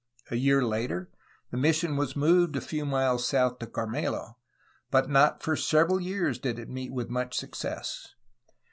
A year later the mission was moved a few miles south to Carmelo, but not for several years did it meet with much success.